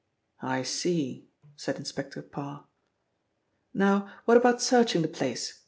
"I see," said Inspector Parr. "Now what about searching the place?